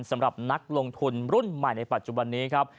สำหรับนักลงทุนรุ่นใหม่ในปัจจุบันนี้ครับ